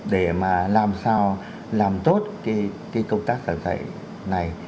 để mà làm sao làm tốt cái công tác giảng dạy này